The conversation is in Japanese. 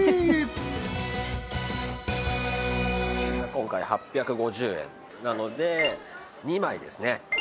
今回８５０円なので２枚ですね